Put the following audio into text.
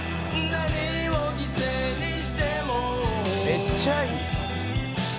「めっちゃいい」